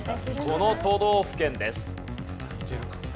この都道府県です。